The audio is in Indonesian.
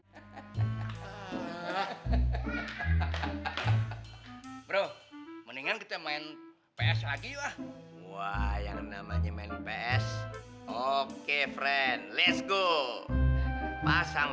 hai hai bro mendingan kita main ps lagi lah wah yang namanya main ps oke friend let's go pasang